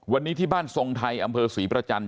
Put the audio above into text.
วันนี้ที่บ้านทรงไทยอำเภอศรีประจันท